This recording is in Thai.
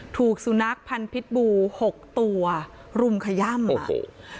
ถูกสุนัขพันธ์พิษบูหกตัวรุมขย่ำโอ้โห